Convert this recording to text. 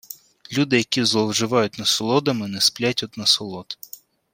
Люди, які зловживають насолодами, не сплять од насолод.